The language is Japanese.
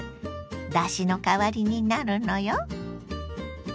だしの代わりになるのよ。